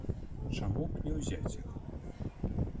Чаму б не ўзяць іх?